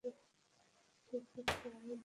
ঠিক আছে মম।